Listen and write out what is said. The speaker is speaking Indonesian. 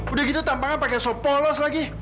udah gitu tampaknya pakai sop polos lagi